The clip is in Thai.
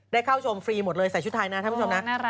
เข้าชมฟรีหมดเลยใส่ชุดไทยนะท่านผู้ชมนะ